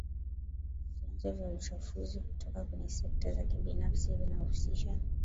Vyanzo vya uchafuzi kutoka kwa sekta za kibinafsi vinahusisha